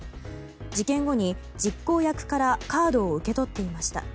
事件後に実行役からカードを受け取っていました。